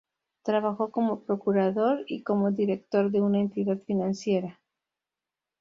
Trabajó como procurador y como director de una entidad financiera.